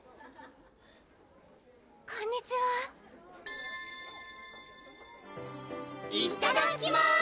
こんにちはいっただきまーす！